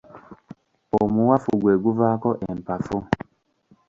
Omuwafu gwe guvaako empafu.